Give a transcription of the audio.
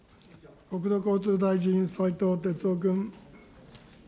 国土交通大臣、斉藤鉄夫君。